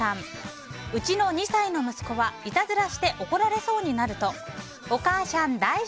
うちの２歳の息子はいたずらして怒られそうになるとおかあしゃんだい